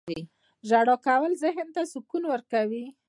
• ژړا کول ذهن ته سکون ورکوي.